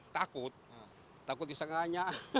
takut takut disengatnya